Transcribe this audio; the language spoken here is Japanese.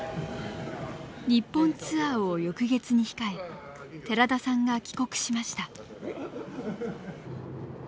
日本ツアーを翌月に控え寺田さんが帰国しました。